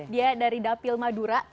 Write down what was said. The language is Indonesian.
dia dari dapil madura